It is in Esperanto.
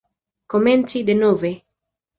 Komenci denove.